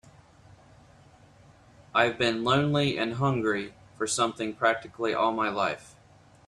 I've been lonely and hungry for something practically all my life.